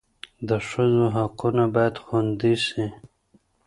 د ښځو حقونه باید خوندي سي.